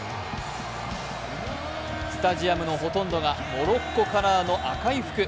スタジアムのほとんどがモロッコカラーの赤い服。